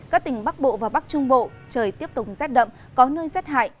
các tỉnh bắc bộ và bắc trung bộ trời tiếp tục rét đậm có nơi rét hại